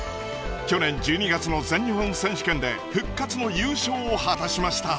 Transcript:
去年１２月の全日本選手権で復活の優勝を果たしました。